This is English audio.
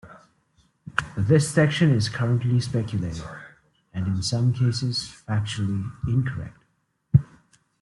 This section is currently speculative, and in some cases factually incorrect.